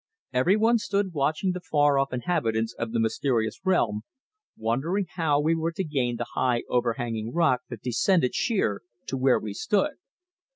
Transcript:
Everyone stood watching the far off inhabitants of the mysterious realm, wondering how we were to gain the high overhanging rock that descended sheer to where we stood.